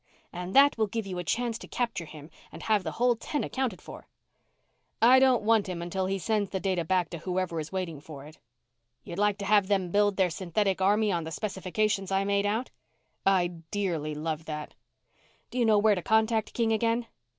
"And that will give you a chance to capture him and have the whole ten accounted for?" "I don't want him until he sends the data back to whoever is waiting for it." "You'd like to have them build their synthetic army on the specifications I made out?" "I'd dearly love that." "Do you know where to contact King again?"